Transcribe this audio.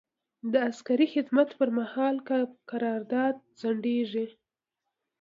د عسکري خدمت پر مهال قرارداد ځنډیږي.